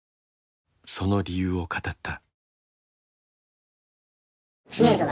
その理由を語った。